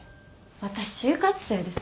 私就活生です。